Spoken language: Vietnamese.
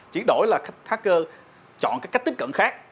chỉ đổi là hacker chọn cách tiếp cận khác